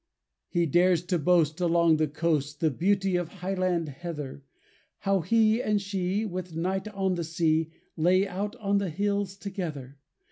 He dares to boast, along the coast, The beauty of Highland Heather, How he and she, with night on the sea, Lay out on the hills together.